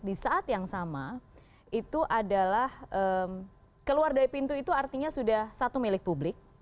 di saat yang sama itu adalah keluar dari pintu itu artinya sudah satu milik publik